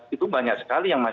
itu banyak sekali yang masih